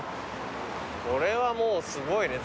これはもうすごいね。